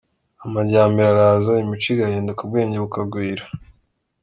Amajyambere araza, imico igahinduka, ubwenge bukagwira.